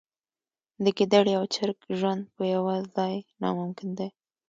د ګیدړې او چرګ ژوند په یوه ځای ناممکن دی.